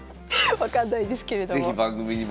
分かんないですけれども。